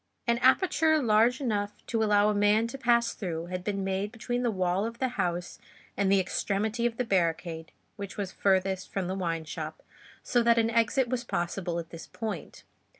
An aperture large enough to allow a man to pass through had been made between the wall of the houses and the extremity of the barricade which was furthest from the wine shop, so that an exit was possible at this point.